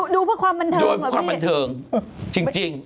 ดูเพราะความบันเทิงเหรอพี่จริง